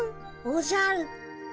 おじゃる。